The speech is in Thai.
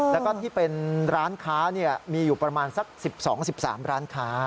แล้วก็ที่เป็นร้านค้ามีอยู่ประมาณสัก๑๒๑๓ร้านค้า